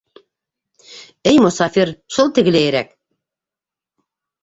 Эй мосафир, шыл тегеләйерәк...